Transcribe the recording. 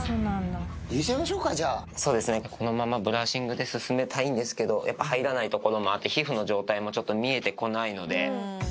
入れちゃいましょうか、そうですね、このままブラッシングで進めたいんですけど、やっぱ、入らない所もあって、皮膚の状態もちょっと見えてこないので。